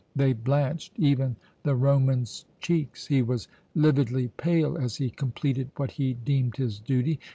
They blanched even the Roman's cheeks. He was lividly pale as he completed what he deemed his duty.